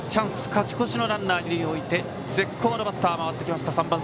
勝ち越しのランナーを二塁に置いて絶好のバッターに回ってきました。